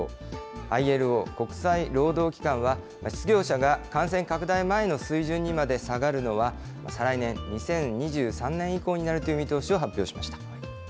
ＩＬＯ・国際労働機関は、失業者が感染拡大前の水準にまで下がるのは再来年・２０２３年以降になるという見通しを発表しました。